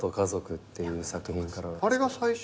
あれが最初？